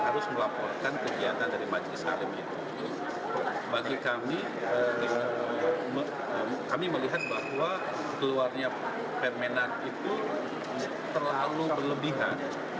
bagi kami kami melihat bahwa keluarnya permenak itu terlalu berlebihan